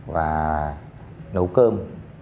và nấu cơm